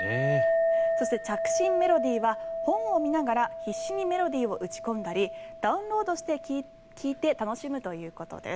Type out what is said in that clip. そして、着信メロディーは本を見ながら必死に打ち込んだりダウンロードして聴いて楽しむということです。